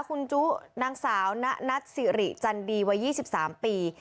คุณจุนางสาวณนัทสิริจันดีวัย๒๓ปี